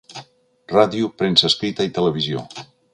Ràdio, Premsa Escrita i Televisió.